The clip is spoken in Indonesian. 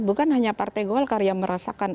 bukan hanya partai golkar yang merasakan